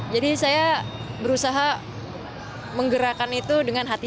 jadi saya berusaha menggerakan itu dengan nilai empat ratus empat puluh lima